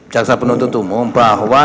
jaksa penuntut umum bahwa